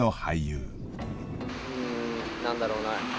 うん何だろうな。